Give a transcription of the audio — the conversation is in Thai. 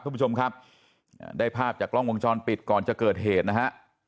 คุณผู้ชมครับได้ภาพจากกล้องวงจรปิดก่อนจะเกิดเหตุนะฮะ